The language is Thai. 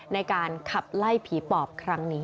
ในการขับไล่ผีปอบครั้งนี้